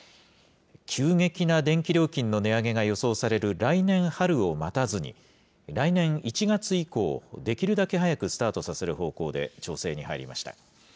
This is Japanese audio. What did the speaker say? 急激な電気料金の値上げが予想される来年春を待たずに、来年１月以降、できるだけ早くスタートさせる方向で調整に入りました。